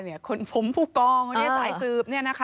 ไปถึงสายสืบ